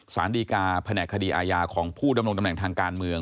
สารดีกาแผนกคดีอาญาของผู้ดำรงตำแหน่งทางการเมือง